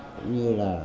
cũng như là